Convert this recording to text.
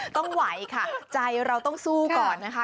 ไหวค่ะใจเราต้องสู้ก่อนนะคะ